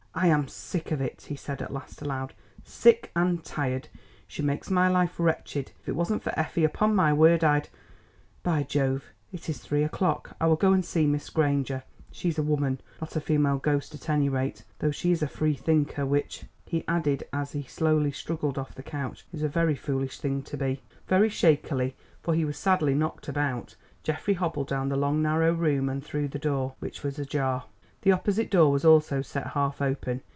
"I am sick of it," he said at last aloud, "sick and tired. She makes my life wretched. If it wasn't for Effie upon my word I'd ... By Jove, it is three o'clock; I will go and see Miss Granger. She's a woman, not a female ghost at any rate, though she is a freethinker—which," he added as he slowly struggled off the couch, "is a very foolish thing to be." Very shakily, for he was sadly knocked about, Geoffrey hobbled down the long narrow room and through the door, which was ajar. The opposite door was also set half open.